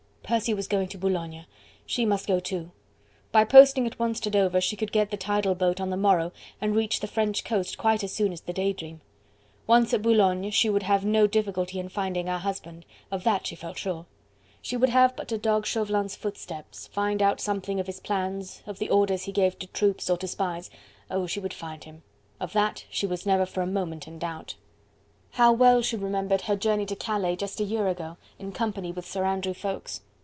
Percy was going to Boulogne... she must go too. By posting at once to Dover, she could get the tidal boat on the morrow and reach the French coast quite as soon as the "Day Dream." Once at Boulogne, she would have no difficulty in finding her husband, of that she felt sure. She would have but to dog Chauvelin's footsteps, find out something of his plans, of the orders he gave to troops or to spies, oh! she would find him! of that she was never for a moment in doubt! How well she remembered her journey to Calais just a year ago, in company with Sir Andrew Ffoulkes!